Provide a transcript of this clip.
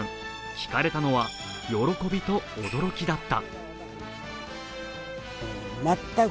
聞かれたのは喜びと驚きだった。